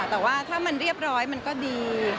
แต่ว่าถ้ามันเรียบร้อยมันก็ดี